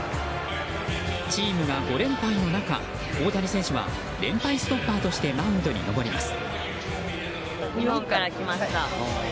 チームが５連敗の中、大谷選手は連敗ストッパーとしてマウンドに上がります。